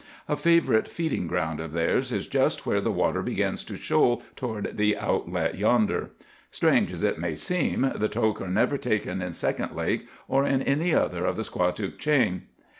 A favorite feeding ground of theirs is just where the water begins to shoal toward the outlet yonder. Strange as it may seem, the togue are never taken in Second Lake, or in any other of the Squatook chain.